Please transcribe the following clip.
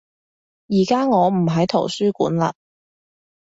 而家我唔喺圖書館嘞